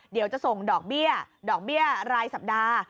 เดี๋ยวจะส่งดอกเบี้ยดอกเบี้ยรายสัปดาห์